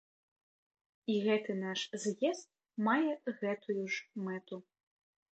І гэты наш з'езд мае гэтую ж мэту.